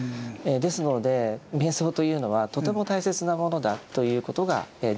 ですので瞑想というのはとても大切なものだと言うことができます。